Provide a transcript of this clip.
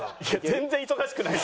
全然忙しくない。